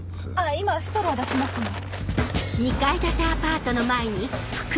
今ストロー出しますんで。